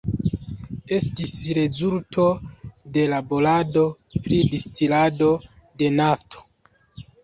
Estis rezulto de laborado pri distilado de nafto.